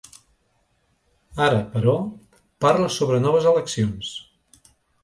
Ara però, parla sobre noves eleccions.